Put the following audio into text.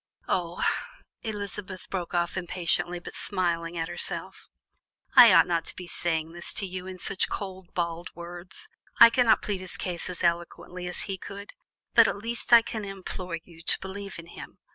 Oh!" Elizabeth broke off impatiently, but smiling at herself "I ought not to be saying this to you in these cold, bald words; I cannot plead his case as eloquently as he could; but at least I can implore you to believe in him.